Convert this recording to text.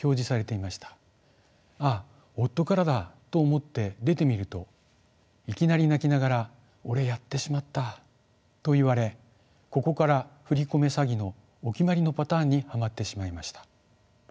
「ああ夫からだ」と思って出てみるといきなり泣きながら「俺やってしまった」と言われここから振り込め詐欺のお決まりのパターンにハマってしまいました。